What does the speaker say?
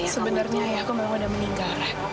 sebenarnya ayahku memang udah meninggal rek